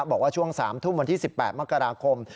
บอกว่าช่วง๓ทุ่มวันที่๑๘มกราคม